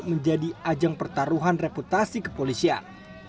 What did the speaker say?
menjadi ajang pertaruhan reputasi kepolisian